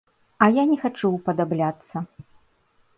А я не хачу ўпадабляцца.